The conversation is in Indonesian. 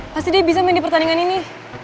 pasti dia bisa main di pertandingan ini